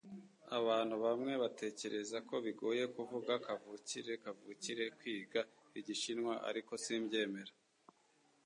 Abantu bamwe batekereza ko bigoye kuvuga kavukire kavukire kwiga Igishinwa, ariko simbyemera.